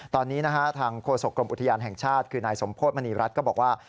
ตอนนี้นะฮะทางโฆษกรมอุทยานแห่งชาติคือนายสมโพธิมณีรัฐก็บอกว่า